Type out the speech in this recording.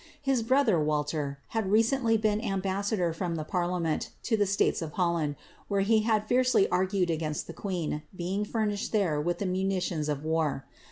His brother, Walter, had recently been ambassa dor from the parliament to the states of Holland, where he had fiercely argued against the queen being furnished there with the munitions (JT war.